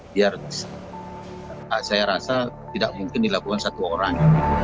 biar saya rasa tidak mungkin dilakukan satu orang